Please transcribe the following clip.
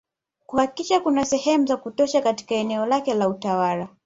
Kuhakikisha kuna shule za kutosha katika eneo lake la utawala